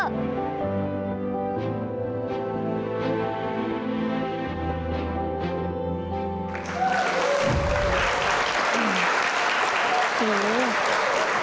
บังคับ